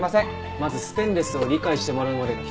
まずステンレスを理解してもらうまでが一苦労で。